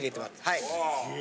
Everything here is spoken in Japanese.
はい。